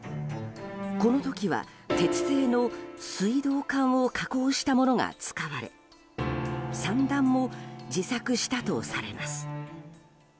この時は鉄製の水道管を加工したものが使われ散弾も自作したとされます。